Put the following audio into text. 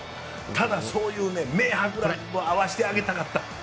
ただ、そういう名伯楽に会わせてあげたかった。